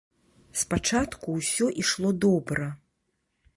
Спачатку ўсё ішло добра.